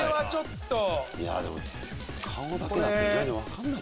でも顔だけだと意外に分かんない。